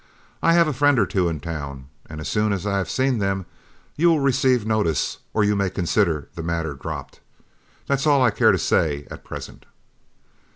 I have a friend or two in town, and as soon as I see them, you will receive notice, or you may consider the matter dropped. That's all I care to say at present."